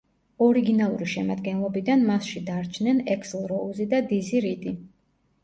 ორიგინალური შემადგენლობიდან მასში დარჩნენ ექსლ როუზი და დიზი რიდი.